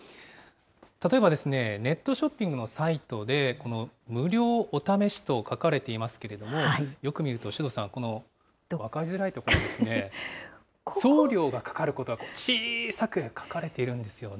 例えばネットショッピングのサイトで、この無料お試しと書かれていますけれども、よく見ると首藤さん、分かりづらい所にですね、送料がかかることが小さく書かれているんですよね。